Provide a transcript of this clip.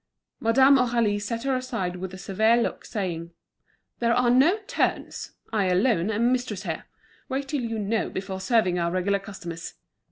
Madame Aurélie set her aside with a severe look, saying: "There are no turns. I alone am mistress here. Wait till you know, before serving our regular customers."